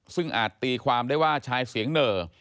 ซึ่งอาจตีความได้ว่าชายเสียงเหน่อ